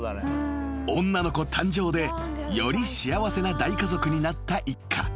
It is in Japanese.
［女の子誕生でより幸せな大家族になった一家］